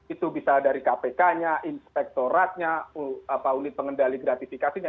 itu bisa dari kpk nya inspektoratnya unit pengendali gratifikasinya